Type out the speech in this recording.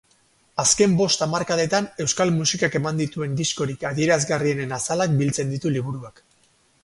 Azken bost hamarkadetan euskal musikak eman dituen diskorik adierazgarrienen azalak biltzen ditu liburuak.